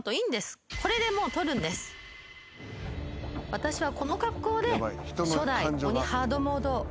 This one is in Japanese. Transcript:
私は。